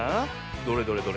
どれどれどれ。